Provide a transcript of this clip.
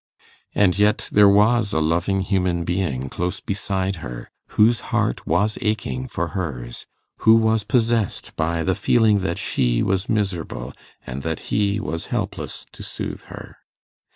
And yet there was a loving human being close beside her, whose heart was aching for hers, who was possessed by the feeling that she was miserable, and that he was helpless to soothe her.